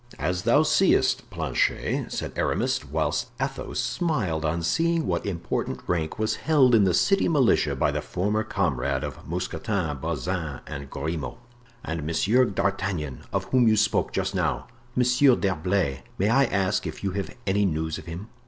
"As thou seest, Planchet," said Aramis, whilst Athos smiled on seeing what important rank was held in the city militia by the former comrade of Mousqueton, Bazin and Grimaud. "And Monsieur d'Artagnan, of whom you spoke just now, Monsieur d'Herblay; may I ask if you have any news of him?"